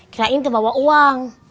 kirain devawa uang